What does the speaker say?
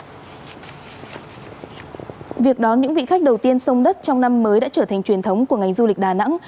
vì vậy các hãng hàng không việt nam đã đón các hãng hàng khách trên sông đất trong năm mới đã trở thành truyền thống của ngành du lịch thành phố đà nẵng